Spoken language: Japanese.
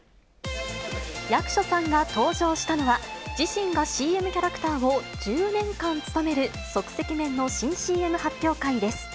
役所さんが登場したのは、自身がＣＭキャラクターを１０年間務める、即席麺の新ＣＭ発表会です。